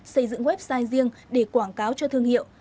xây dựng website riêng để quảng cáo cho thương hiệu